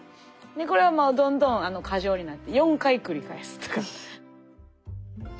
これはもうどんどん過剰になって「四回くり返す」とか。